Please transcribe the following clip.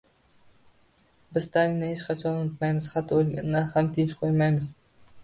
Biz Stalinni hech qachon unutmaymiz, hatto o’lganda ham tinch qo’ymaymiz!